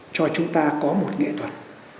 cho chúng ta có một nghệ thuật